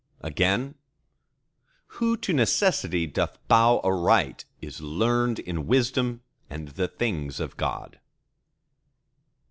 Again: Who to Necessity doth bow aright, Is learn'd in wisdom and the things of God.